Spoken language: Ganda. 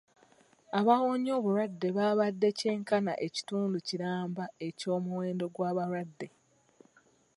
Abaawoonye obulwadde baabadde kyenkana ekitundu kiramba eky'omuwendo gw'abalwadde.